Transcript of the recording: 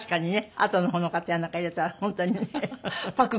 あとのほうの方やなんか入れたら本当にね。